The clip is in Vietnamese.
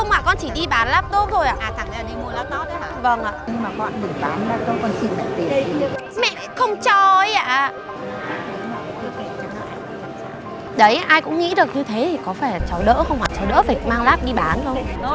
mẹ kiểu gì nghĩ là mẹ vẫn là người yêu mình